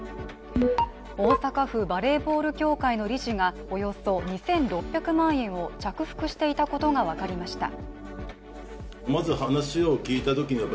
大阪府バレーボール協会の理事がおよそ２６００万円を着服していたことが分かりました。